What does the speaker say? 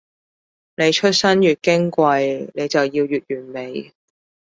你出身越矜貴，你就要越完美